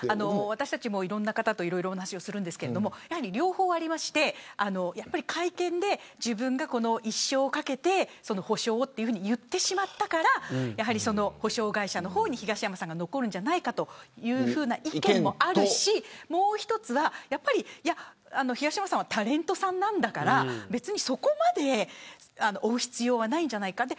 私たちも、いろんな方と話をするんですけどやはり両方ありまして、会見で自分が一生を懸けて補償をと言ってしまったから補償会社の方に東山さんが残るんじゃないかというふうな意見もあるしもう一つは東山さんはタレントさんなんだから別にそこまで負う必要はないんじゃないかと。